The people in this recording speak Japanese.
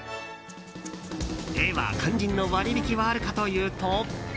では、肝心の割引はあるかというと。